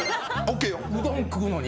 うどん食うのに？